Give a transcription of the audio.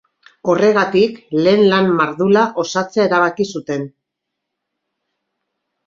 Horregatik, lehen lan mardula osatzea erabaki zuten.